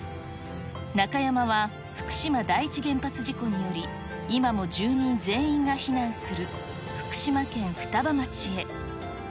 中山は、福島第一原発事故により、今も住民全員が避難する福島県双葉町へ。